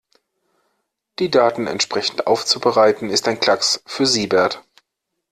Die Daten entsprechend aufzubereiten, ist ein Klacks für Siebert.